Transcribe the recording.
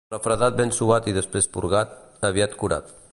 Refredat ben suat i després purgat, aviat curat.